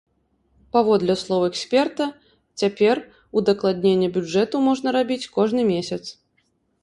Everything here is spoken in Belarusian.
Паводле слоў эксперта, цяпер удакладненне бюджэту можна рабіць кожны месяц.